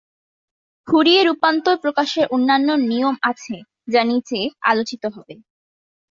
ফুরিয়ে রূপান্তর প্রকাশের অন্যান্য নিয়ম আছে যা নিচে আলোচিত হবে।